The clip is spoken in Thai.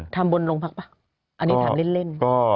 ทำบนโรงพักป่ะอันนี้ถามเล่น